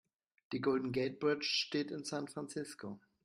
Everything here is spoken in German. Die Golden Gate Bridge steht in San Francisco.